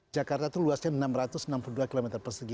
jakarta itu luasnya enam ratus enam puluh dua km persegi